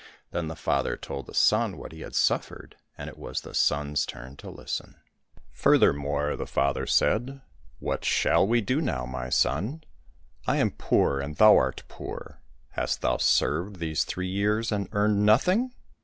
Then the father told the son what he had suffered, and it was the son's turn to listen. Furthermore the father said, '' What shall we do now, my son ? I am poor and thou art poor : hast thou served these three years and earned nothing